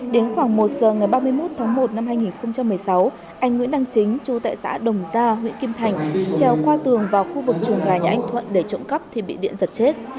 đến khoảng một giờ ngày ba mươi một tháng một năm hai nghìn một mươi sáu anh nguyễn đăng chính chú tại xã đồng gia huyện kim thành treo qua tường vào khu vực trùng gà nhà anh thuận để trộm cắp thì bị điện giật chết